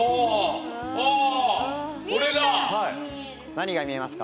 何が見えますか？